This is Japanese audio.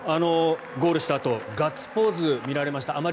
ゴールしたあとガッツポーズ見られました。